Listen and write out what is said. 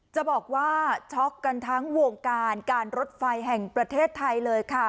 จะบอกว่าช็อกกันทั้งวงการการรถไฟแห่งประเทศไทยเลยค่ะ